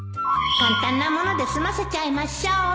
簡単なもので済ませちゃいましょう